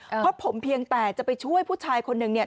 เพราะผมเพียงแต่จะไปช่วยผู้ชายคนหนึ่งเนี่ย